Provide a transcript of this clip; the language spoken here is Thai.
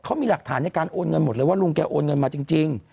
เขามีหลักฐานในการโอนเงินหมดเลยว่าลุงแกโอนเงินมาจริง